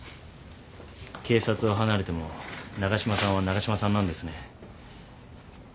警察を離れても長嶋さんは長嶋さんなんですね。